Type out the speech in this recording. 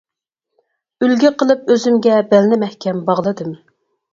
ئۈلگە قىلىپ ئۆزۈمگە، بەلنى مەھكەم باغلىدىم.